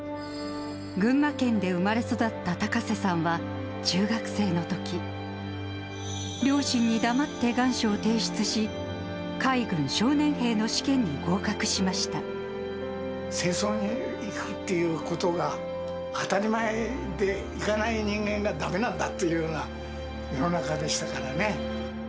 群馬県で生まれ育った高瀬さんは、中学生のとき、両親に黙って願書を提出し、戦争に行くっていうことが当たり前で、行かない人間がだめなんだっていうような世の中でしたからね。